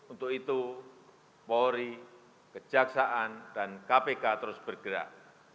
untuk itu polri kejaksaan dan kpk terus bergerak